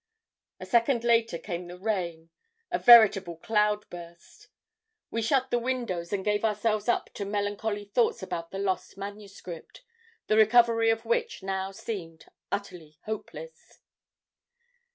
"A second later came the rain, a veritable cloud burst. We shut the windows and gave ourselves up to melancholy thoughts about the lost manuscript, the recovery of which now seemed utterly hopeless.